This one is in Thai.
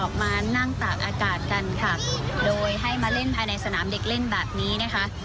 ออกมานั่งตากอากาศกันค่ะโดยให้มาเล่นภายในสนามเด็กเล่นแบบนี้นะคะ